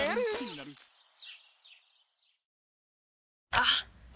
あっ！